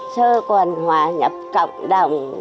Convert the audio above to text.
sơ còn hòa nhập cộng đồng